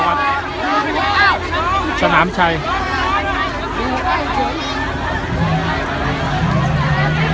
ก็ไม่มีเวลาให้กลับมาเท่าไหร่